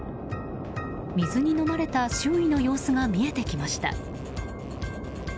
水にのまれた周囲の様子が見えてきました。